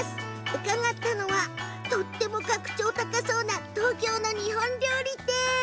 伺ったのは格調高そうな東京の日本料理店。